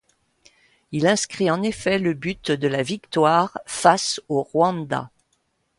Il inscrit en effet le but de la victoire face au Rwanda.